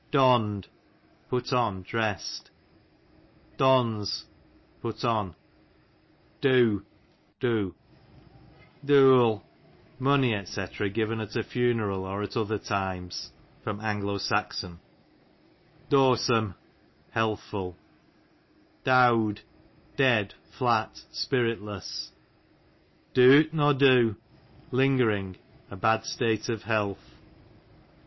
Donn'd, put on, dress' d. Dons, put on. Doo, do. Dooal, money, £c. given at a funeral, or other times. A. S. Dosome, liealthful. Dowd, dead, flat, spiritless. Doot nor do, lingering, a bad state of health.